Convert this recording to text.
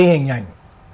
cái hình ảnh